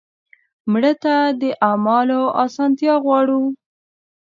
مړه ته د اعمالو اسانتیا غواړو